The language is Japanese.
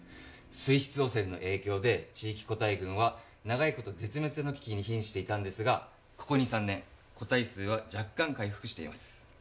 水質汚染の影響で地域個体群は長い事絶滅の危機に瀕していたんですがここ２３年個体数は若干回復しています。